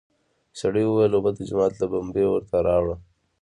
سړي وويل: اوبه د جومات له بمبې ورته راوړه!